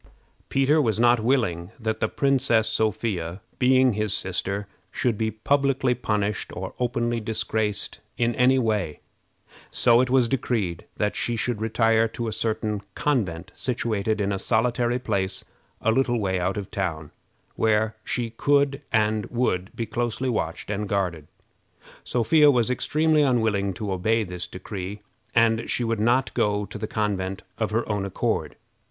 Peter was not willing that the Princess Sophia, being his sister, should be publicly punished or openly disgraced in any way, so it was decreed that she should retire to a certain convent, situated in a solitary place a little way out of town, where she could be closely watched and guarded. Sophia was extremely unwilling to obey this decree, and she would not go to the convent of her own accord.